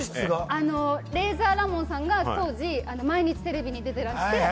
レイザーラモンさんが当時、毎日テレビに出ていらした。